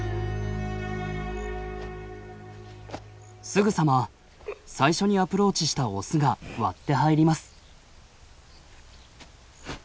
すぐさま最初にアプローチしたオスが割って入ります。